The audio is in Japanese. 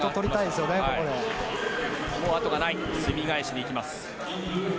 すみ返しにいきます。